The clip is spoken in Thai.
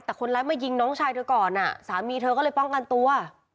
แต่คนร้ายมายิงน้องชายเธอก่อนอ่ะสามีเธอก็เลยป้องกันตัว